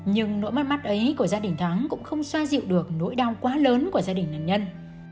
nhưng nỗi mắt mắt ấy của gia đình thắng cũng không xoa dịu được nỗi đau quá lớn của gia đình là nhân